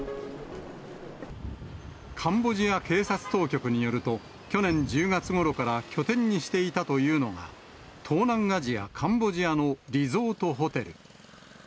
カンボジア警察当局によると、去年１０月ごろから拠点にしていたというのが、東南アジア・カンボジアのリゾートホテル。